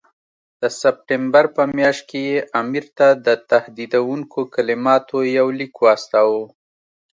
د سپټمبر په میاشت کې یې امیر ته د تهدیدوونکو کلماتو یو لیک واستاوه.